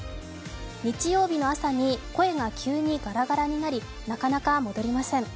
日曜日の朝に声が急にガラガラになり、なかなか戻りません。